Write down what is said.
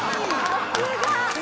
さすが！